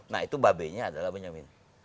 nah itu mbak be nya adalah benyamin